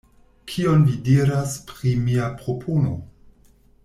Kion vi diras pri mia propono?